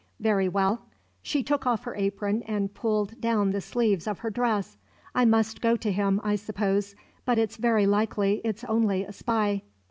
"Very well." She took off her apron and pulled down the sleeves of her dress. "I must go to him, I suppose; but very likely it's only a spy."